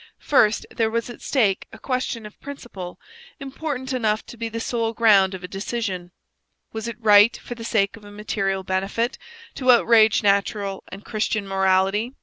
First, there was at stake a question of principle important enough to be the sole ground of a decision. Was it right, for the sake of a material benefit, to outrage natural and Christian morality?